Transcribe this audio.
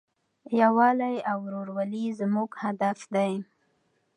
یووالی او ورورولي زموږ هدف دی.